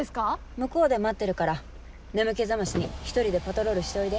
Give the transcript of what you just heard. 向こうで待ってるから眠気覚ましに１人でパトロールしておいで。